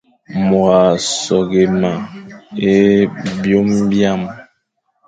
Môr a soghé me é byôm hyam,